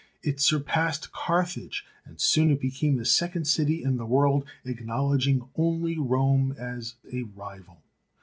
It surpassed Carthage, and soon it became the second city in the world, acknowledging only Rome as a rival.